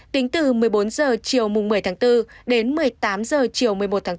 tính từ một mươi bốn h chiều một mươi tháng bốn đến một mươi tám h chiều một mươi một tháng bốn